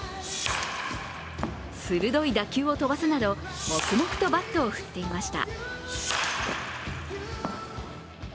鋭い打球を飛ばすなど黙々とバットを振っていました。